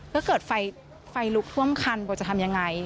ก็เกิดไฟลุกท่วมคันโบจะทำอย่างไร